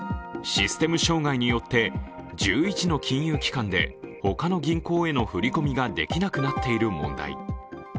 システム障害によって１１の金融機関で他の銀行への振り込みができなくなっている問題。